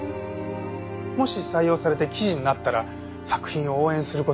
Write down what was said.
もし採用されて記事になったら作品を応援する事ができる。